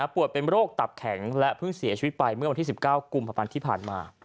เป็นโรคตับแข็งและเพิ่งเสียชีวิตไปเมื่อวันที่๑๙กุมภาพันธ์ที่ผ่านมา